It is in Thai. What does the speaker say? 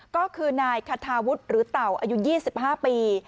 ก็คือนายคาทาวุฒิหรือเต่าอายุ๒๕ปี